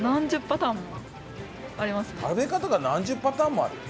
食べ方が何十パターンもある？